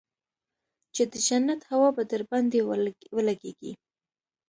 چې د جنت هوا به درباندې ولګېږي.